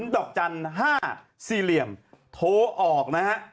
ดอกจันทร์๕สี่เหลี่ยมโทรออกนะฮะ